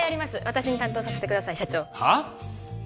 私に担当させてください社長はっ？